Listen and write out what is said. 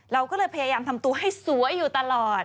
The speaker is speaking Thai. เราก็เลยพยายามทำตัวให้สวยอยู่ตลอด